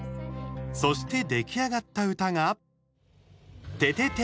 そして、出来上がった歌が「ててて！